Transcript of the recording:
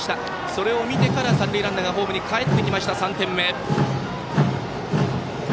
それを見てから三塁ランナーがホームにかえって、３点目。